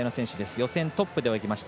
予選トップで泳ぎました。